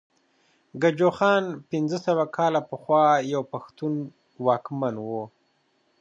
ګجوخان پنځه سوه کاله پخوا يو پښتون واکمن وو